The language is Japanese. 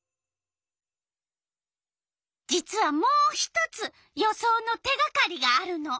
実はもう１つ予想の手がかりがあるの。